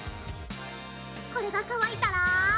これが乾いたら。